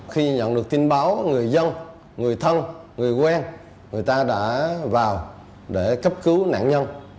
khi nhận được tin báo người dân người thân người quen người ta đã vào để cấp cứu nạn nhân